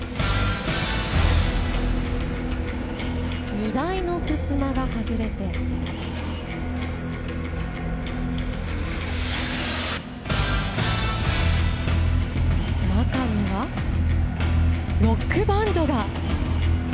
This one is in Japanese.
荷台のふすまが外れて中にはロックバンドが。